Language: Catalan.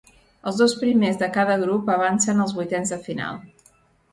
Els dos primers de cada grup avancen als vuitens de final.